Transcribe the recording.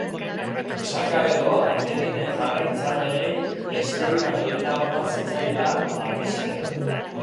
Esan gabe doa Leninen jarraitzaileei besteei baino lehenago eman zitzaiela albistea.